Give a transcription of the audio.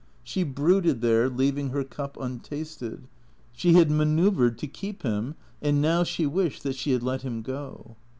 She brooded there, leaving her cup untasted. She had ma noeuvred to keep him. And now she wished that she had let him go.